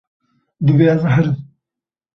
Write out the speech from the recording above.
Divê ez herim.